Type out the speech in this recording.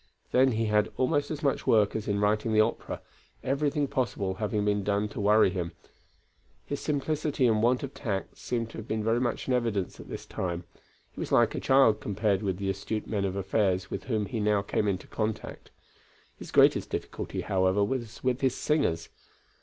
Then he had almost as much work as in writing the opera, everything possible having been done to worry him. His simplicity and want of tact seem to have been very much in evidence at this time; he was like a child compared with the astute men of affairs with whom he now came in contact. His greatest difficulty, however, was with his singers.